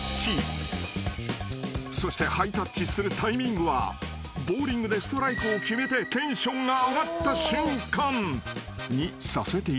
［そしてハイタッチするタイミングはボウリングでストライクを決めてテンションが上がった瞬間にさせていただきました］